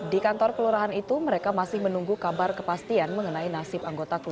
di kantor kelurahan itu mereka masih menunggu kabar kepastian mengenai nasional